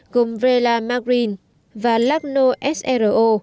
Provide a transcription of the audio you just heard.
gồm vrela magrin và lagno sro